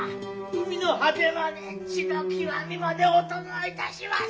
海の果てまで地の極みまでお供いたします！